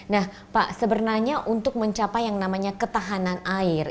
nah pak sebenarnya untuk mencapai yang namanya ketahanan air